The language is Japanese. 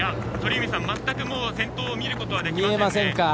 全く先頭を見ることはできません。